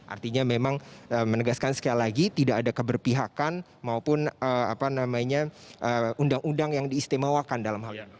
artinya memang menegaskan sekali lagi tidak ada keberpihakan maupun undang undang yang diistimewakan dalam hal ini